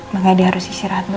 maka dia harus istirahatnya